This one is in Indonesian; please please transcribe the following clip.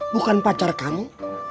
bukan pacar kamu